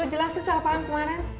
lo jelasin secara paham kemana